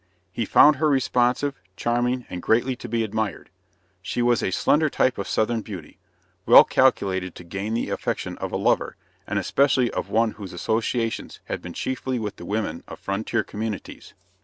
He found her responsive, charming, and greatly to be admired. She was a slender type of Southern beauty, well calculated to gain the affection of a lover, and especially of one whose associations had been chiefly with the women of frontier communities.